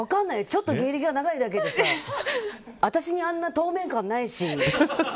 ちょっと芸歴が長いだけでさ私にあんな透明感ないし。